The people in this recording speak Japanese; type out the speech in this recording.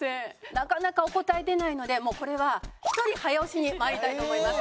なかなかお答え出ないのでもうこれは１人早押しにまいりたいと思います。